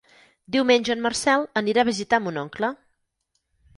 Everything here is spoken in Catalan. Diumenge en Marcel anirà a visitar mon oncle.